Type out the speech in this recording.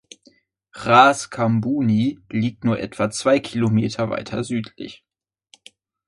Raas Kaambooni liegt nur etwa zwei Kilometer weiter südlich.